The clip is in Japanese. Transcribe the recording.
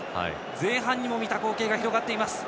前半にも見た光景が広がっています。